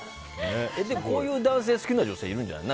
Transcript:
こういう男性好きな女性いるんじゃない？